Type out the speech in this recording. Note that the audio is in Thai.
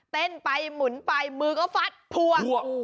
เต้นไปหมุนไปมือก็ฟัดพวง